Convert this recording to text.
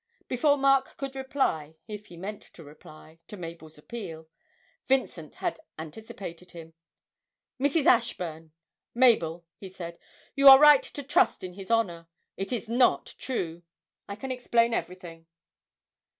Before Mark could reply, if he meant to reply, to Mabel's appeal, Vincent had anticipated him. 'Mrs. Ashburn Mabel,' he said, 'you are right to trust in his honour it is not true. I can explain everything.'